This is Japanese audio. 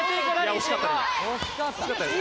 惜しかったですね。